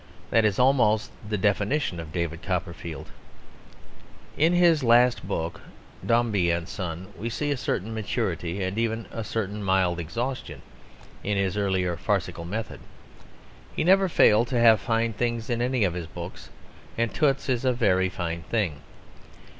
That is almost the definition of David Copperfield. In his last book, Dombey and Son, we see a certain maturity and even a certain mild exhaustion in his earlier farcical method. He never failed to have fine things in any of his books, and Toots is a very fine thing.